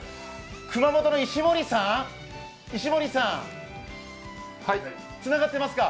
熊本の石森さん、つながってますか？